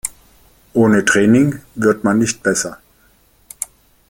Ohne Training wird man nicht besser.